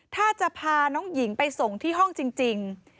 ถ้าจะพาน้องหญิงไปส่งที่ห้องจริง